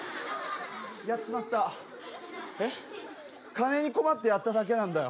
金に困ってやっただけなんだよ。